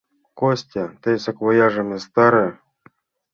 Костя, тый саквояжым ястаре.